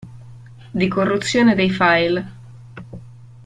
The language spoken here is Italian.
Di corruzione dei file.